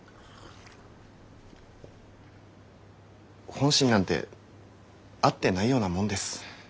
本心なんてあってないようなもんです。